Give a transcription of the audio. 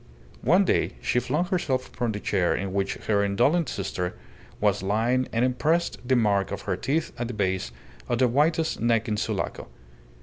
One day she flung herself upon the chair in which her indolent sister was lying and impressed the mark of her teeth at the base of the whitest neck in Sulaco.